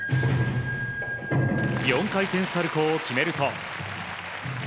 ４回転サルコウを決めると。